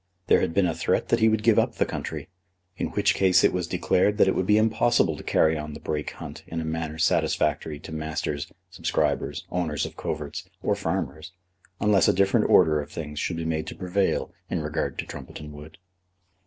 There had been a threat that he would give up the country, in which case it was declared that it would be impossible to carry on the Brake Hunt in a manner satisfactory to masters, subscribers, owners of coverts, or farmers, unless a different order of things should be made to prevail in regard to Trumpeton Wood.